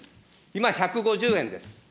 今、１５０円です。